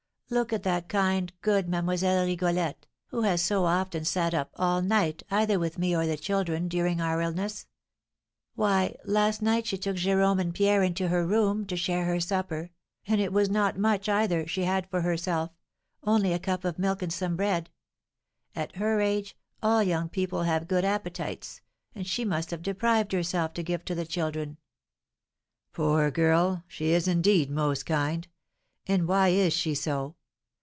Look at that kind, good Mlle. Rigolette, who has so often sat up all night, either with me or the children, during our illness. Why, last night she took Jérome and Pierre into her room, to share her supper, and it was not much, either, she had for herself, only a cup of milk and some bread; at her age, all young people have good appetites, and she must have deprived herself to give to the children." "Poor girl! she is indeed most kind, and why is she so?